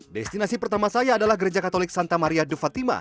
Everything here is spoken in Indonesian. destinasi pertama saya adalah gereja katolik santa maria de fatima